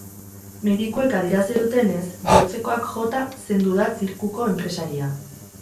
Medikuek adierazi dutenez, bihotzekoak jota zendu da zirkuko enpresaria.